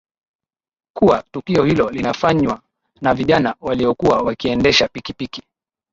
kuwa tukio hilo linafanywa na vijana waliokuwa wakiendesha pikipiki